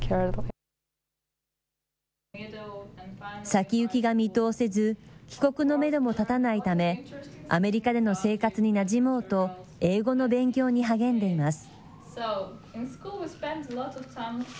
先行きが見通せず帰国のめども立たないためアメリカでの生活になじもうと英語の勉強に励んでいます。